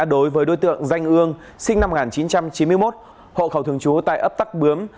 đối với đối tượng danh ương sinh năm một nghìn chín trăm chín mươi một hộ khẩu thường trú tại ấp tắc bướm